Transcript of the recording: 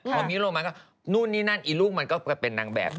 พอมิ้นลงมาก็นู่นนี่นั่นอีลูกมันก็เป็นนางแบบ